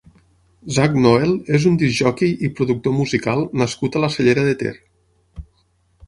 Sak Noel és un discjòquei i productor musical nascut a la Cellera de Ter.